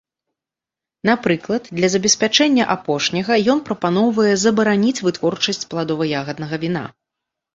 Напрыклад, для забеспячэння апошняга ён прапаноўвае забараніць вытворчасць пладова-ягаднага віна.